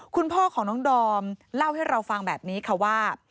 คุณพ่อของน้องดอมเล่าให้เราฟังแบบนี้ค่ะว่า